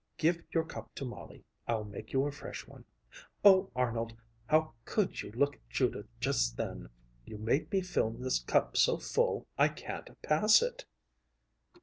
Give your cup to Molly; I'll make you a fresh one. Oh, Arnold! How could you look at Judith just then! You made me fill this cup so full I can't pass it!"